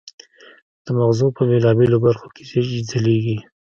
د مغزو په بېلابېلو برخو کې یې ځلېږي.